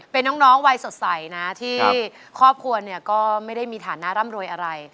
เป็นน้องวัยสดใสนะที่ครอบครัวเนี่ยก็ไม่ได้มีฐานะร่ำรวยอะไร